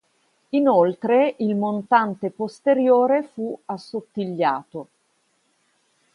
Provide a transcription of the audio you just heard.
Inoltre, il montante posteriore fu assottigliato.